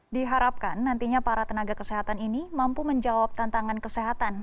diharapkan nantinya para tenaga kesehatan ini mampu menjawab tantangan kesehatan